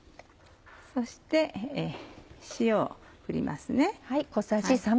そして塩を振りますね。